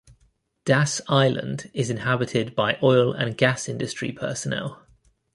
Das Island is inhabited by oil and gas industry personnel.